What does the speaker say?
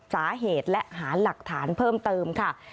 สาเหตุและหาหลักฐานเพิ่มเติมค่ะ